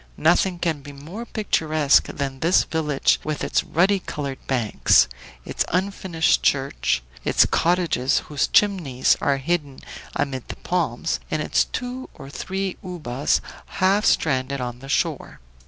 Nothing can be more picturesque than this village with its ruddy colored banks, its unfinished church, its cottages, whose chimneys are hidden amid the palms, and its two or three ubas half stranded on the shore.